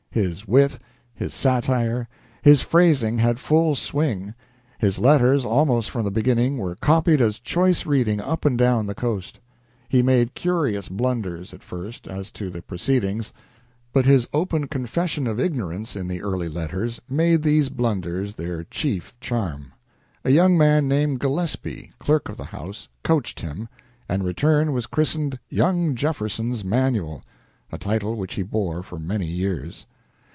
His wit, his satire, his phrasing had full swing his letters, almost from the beginning, were copied as choice reading up and down the Coast. He made curious blunders, at first, as to the proceedings, but his open confession of ignorance in the early letters made these blunders their chief charm. A young man named Gillespie, clerk of the House, coached him, and in return was christened "Young Jefferson's Manual," a title which he bore for many years.